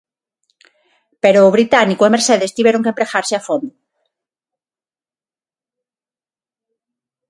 Pero o británico e Mercedes tiveron que empregarse a fondo.